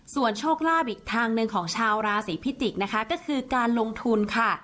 ส่วนโชคลาภอีกทางหนึ่งของชาวราศีพิจิกษ์นะคะก็คือการลงทุนค่ะ